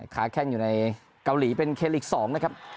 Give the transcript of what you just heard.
ค้าแข้งอยู่ในเกาหลีเป็นเคลียร์อีก๒นะครับ